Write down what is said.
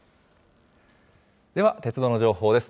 では鉄道の情報です。